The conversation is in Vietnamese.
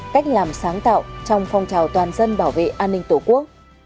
cách làm sáng tạo trong phong trào toàn dân bảo vệ an ninh tổ quốc